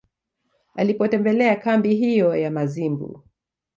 Alipotembelea kambi hiyo ya Mazimbu